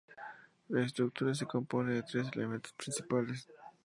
La estructura se compone de tres elementos principales.